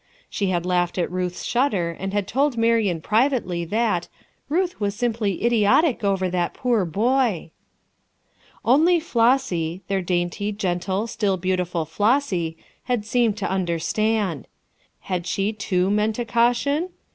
She had laughed at Ruth's shudder and had told Marian privately that "Ruth was simply idiotic over that poor boy." Only Flossy, their dainty, gentle, still beautiful Flossy, had seemed to understand. Had she too meant a caution ?